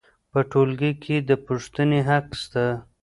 په ټولګي کې د پوښتنې حق سته.